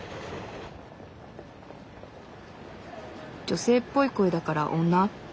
女性っぽい声だから女？